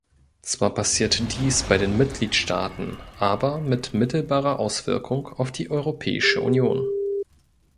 Zwar passiert dies bei den Mitgliedstaaten, aber mit mittelbarer Auswirkung auf die Europäische Union.